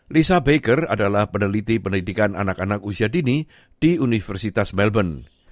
lisa baker adalah peneliti pendidikan anak anak usia dini di universitas melbourne